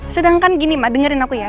sedangkan gini mbak dengerin aku ya